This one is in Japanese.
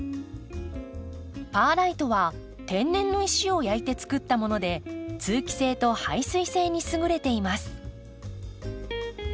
パーライトは天然の石を焼いて作ったもので通気性と排水性に優れています。